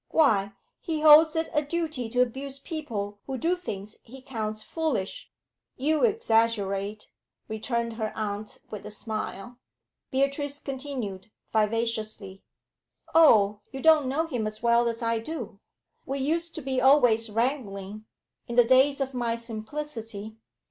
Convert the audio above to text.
Why, he holds it a duty to abuse people who do things he counts foolish.' 'You exaggerate,' returned her aunt, with a smile. Beatrice continued, vivaciously. 'Oh, you don't know him as well as I do. We used to be always wrangling in the days of my simplicity.